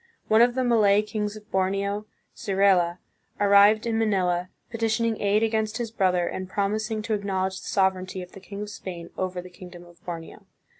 One of the Malay kings of Borneo, Sirela, arrived in Ma nila, petitioning aid against his brother, and promising to acknowledge the sovereignty of the king of Spain over the kingdom of Borneo.